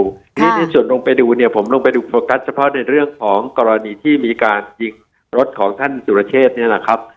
ที่ในส่วนลงไปดูเนี่ยผมลงไปดูโฟกัสเฉพาะในเรื่องของกรณีที่มีการยิงรถของท่านสุรเชษเนี่ยนะครับ